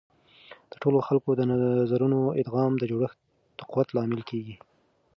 د ټولو خلکو د نظرونو ادغام د جوړښت د قوت لامل کیږي.